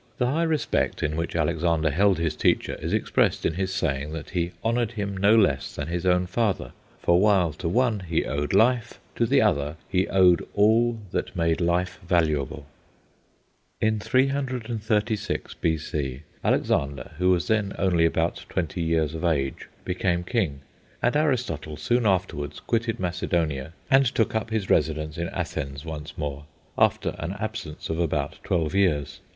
The high respect in which Alexander held his teacher is expressed in his saying that he honoured him no less than his own father, for while to one he owed life, to the other he owed all that made life valuable. In 336 B.C. Alexander, who was then only about twenty years of age, became king, and Aristotle soon afterwards quitted Macedonia and took up his residence in Athens once more, after an absence of about twelve years.